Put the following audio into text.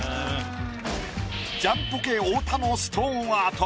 ジャンポケ太田のストーンアート